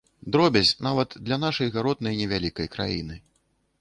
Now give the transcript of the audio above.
Дробязь нават для нашай гаротнай невялікай краіны.